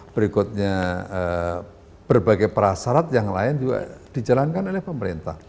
berikutnya berbagai prasarat yang lain juga dijalankan oleh pemerintah